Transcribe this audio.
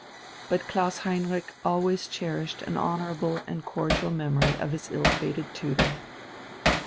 But Klaus Heinrich always cherished an honourable and cordial memory of his ill fated tutor.